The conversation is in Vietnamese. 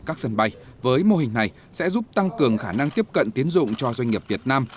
các sân bay với mô hình này sẽ giúp tăng cường khả năng tiếp cận tiến dụng cho doanh nghiệp việt nam